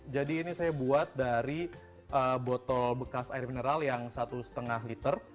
jadi ini saya buat dari botol bekas air mineral yang satu lima liter